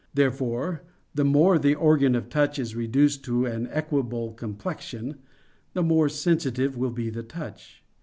Therefore the more the organ of touch is reduced to an equable complexion, the more sensitive will be the touch.